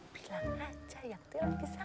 bilang aja yang disangkitkan